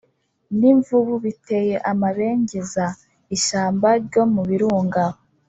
n’imvubu, biteye amabengeza. Ishyamba ryo mu birunga